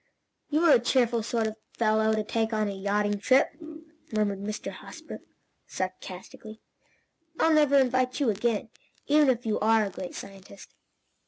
"You're a cheerful sort of fellow to take on a yachting trip," murmured Mr. Hosbrook, sarcastically. "I'll never invite you again, even if you are a great scientist."